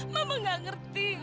mama gak ngerti